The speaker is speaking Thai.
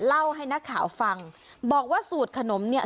เล่าให้นักข่าวฟังบอกว่าสูตรขนมเนี่ย